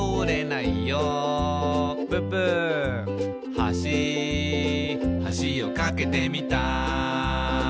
「はしはしを架けてみた」